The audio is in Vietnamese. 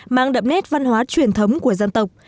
mang đậm nét văn hóa truyền thống của dân tộc